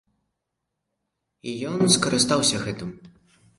І ён скарыстаўся гэтым.